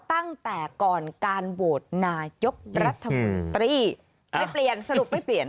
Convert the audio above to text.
ตั้งแต่ก่อนการโบสถ์นายกรัฐบิทธิินิการสรุปไม่เปลี่ยน